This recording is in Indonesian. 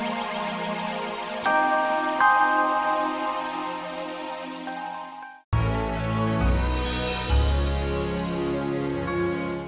walaupun kamu lepas dari fadil